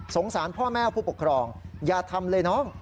สารพ่อแม่ผู้ปกครองอย่าทำเลยน้อง